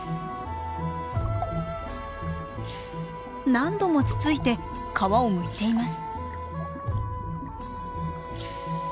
何度もつついて皮をむいています。